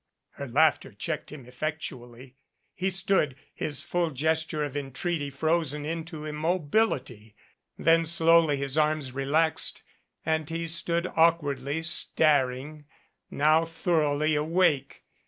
Her laughter checked him effectually. He stood, his 276 THE WINGS OF THE BUTTERFLY full gesture of entreaty frozen into immobility. Then slowly his arms relaxed and he stood awkwardly staring, now thoroughly awake.